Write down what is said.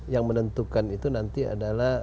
yang menentukan itu nanti adalah